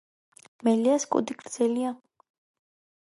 მელიას კუდი გრძელია.